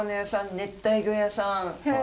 熱帯魚屋さん